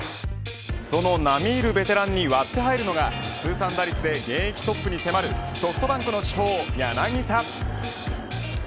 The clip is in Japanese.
その並みいるベテランに割って入るのが、通算打率で現役トップに迫るソフトバンクの主砲、柳田。